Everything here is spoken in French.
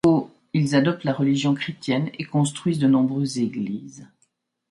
Au ils adoptent la religion chrétienne, et construisent de nombreuses églises.